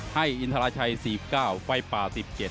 อินทราชัย๔๙ไฟป่า๑๗